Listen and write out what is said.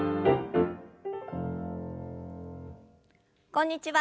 こんにちは。